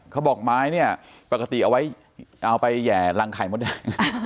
เขาบอกไม้เนี่ยปกติเอาไว้เอาไปแห่รังไข่มดแดง